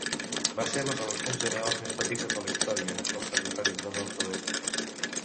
Va ser les eleccions generals més petites de la història dels Territoris del nord-oest.